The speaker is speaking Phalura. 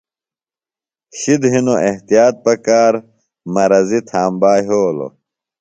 شِد ہِنوۡ احتیاط پکار، مرضی تھامبا یھولوۡ